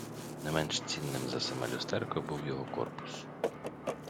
Не менш цінним за саме люстерко був його корпус.